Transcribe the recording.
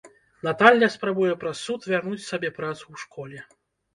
Наталля спрабуе праз суд вярнуць сабе працу ў школе.